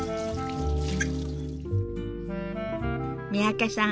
三宅さん